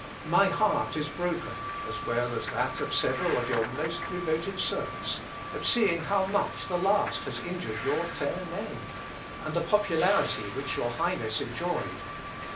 My heart is broken, as well as that of several of your most devoted servants, at seeing how much the last has injured your fair fame, and the popularity which your Highness enjoyed.